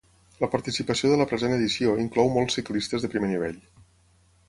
La participació de la present edició inclou molts ciclistes de primer nivell.